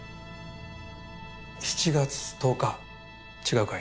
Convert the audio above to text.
７月１０日違うかい？